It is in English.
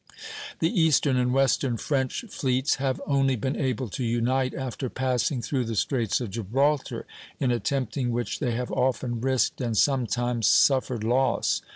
The eastern and western French fleets have only been able to unite after passing through the Straits of Gibraltar, in attempting which they have often risked and sometimes suffered loss.